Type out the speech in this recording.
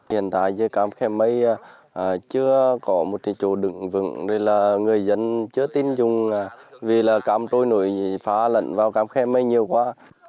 hiện tại cam khe mây chưa có một chủ đựng vững người dân chưa tin dùng vì cam trôi nổi phá lệnh vào cam khe mây nhiều quá